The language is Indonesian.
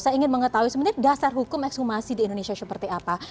saya ingin mengetahui sebenarnya dasar hukum ekshumasi di indonesia seperti apa